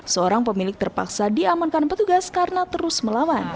seorang pemilik terpaksa diamankan petugas karena terus melawan